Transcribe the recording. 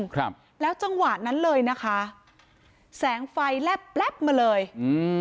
ครับแล้วจังหวะนั้นเลยนะคะแสงไฟแลบแป๊บมาเลยอืม